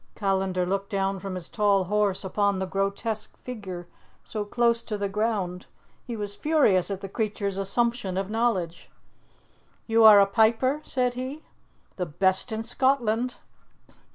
Callandar looked down from his tall horse upon the grotesque figure so close to the ground. He was furious at the creature's assumption of knowledge. "You are a piper?" said he. "The best in Scotland."